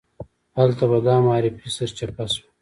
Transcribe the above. هلته به دا معرفي سرچپه شوه.